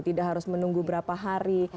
tidak harus menunggu berapa hari